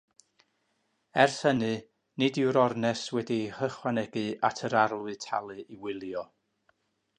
Ers hynny, nid yw'r ornest wedi'i hychwanegu at yr arlwy talu i wylio.